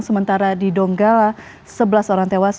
sementara di donggala sebelas orang tewas